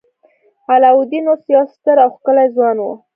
علاوالدین اوس یو ستر او ښکلی ځوان و.